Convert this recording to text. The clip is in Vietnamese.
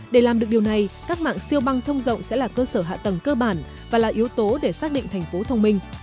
để làm được điều này các mạng siêu băng thông rộng sẽ là cơ sở hạ tầng cơ bản và là yếu tố để xác định thành phố thông minh